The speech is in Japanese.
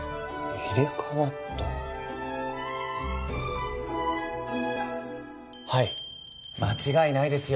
入れ替わったはい間違いないですよ